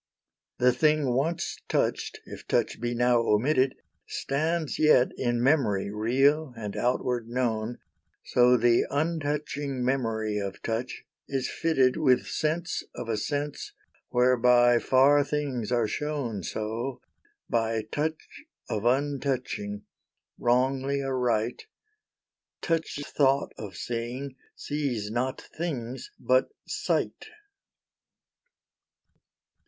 The thing once touched, if touch be now omitted, Stands yet in memory real and outward known, So the untouching memory of touch is fitted With sense of a sense whereby far things are shown So, by touch of untouching, wrongly aright, Touch' thought of seeing sees not things but Sight.